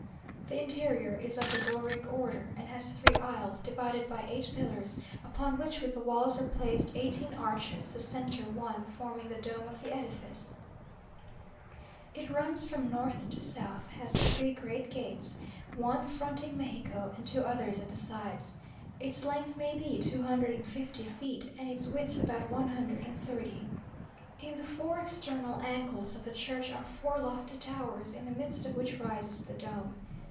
The interior is of the Doric order, and has three aisles, divided by eight pillars, upon which with the walls are placed eighteen arches, the centre one forming the dome of the edifice. It runs from north to south, has three great gates, one fronting Mexico, and two others at the sides. Its length may be two hundred and fifty feet, and its width about one hundred and thirty. In the four external angles of the church are four lofty towers, in the midst of which rises the dome.